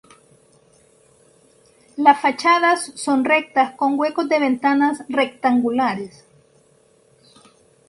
Las fachadas son rectas con huecos de ventanas rectangulares.